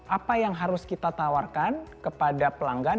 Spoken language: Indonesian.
apa yang harus kita tawarkan kepada pelanggan